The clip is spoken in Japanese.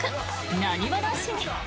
なにわ男子に。